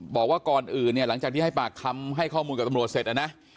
บอกว่าก่อนอื่นเนี่ยหลังจากที่ให้ปากคำให้ข้อมูลกับตำรวจเสร็จนะนะ